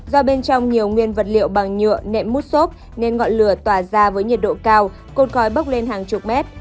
do bên trong nhiều nguyên vật liệu bằng nhựa nệm mút xốp nên ngọn lửa tỏa ra với nhiệt độ cao cột khói bốc lên hàng chục mét